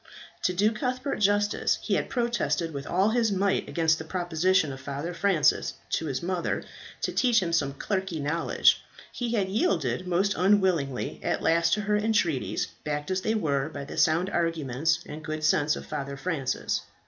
To do Cuthbert justice, he had protested with all his might against the proposition of Father Francis to his mother to teach him some clerkly knowledge. He had yielded most unwillingly at last to her entreaties, backed as they were by the sound arguments and good sense of Father Francis.